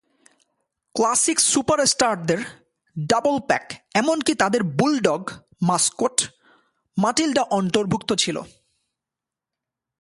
Classic সুপারস্টারদের double pack এমনকি তাদের বুলডগ মাস্কট, মাটিল্ডা অন্তর্ভুক্ত ছিল।